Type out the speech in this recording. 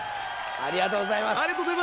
ありがとうございます。